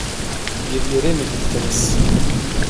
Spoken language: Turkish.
Bir yere mi gittiniz?